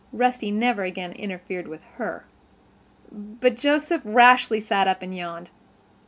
Rusty never again interfered with her. But Joseph rashly sat up and yawned.